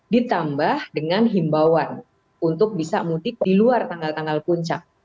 ditambah dengan himbauan untuk bisa mudik di luar tanggal tanggal puncak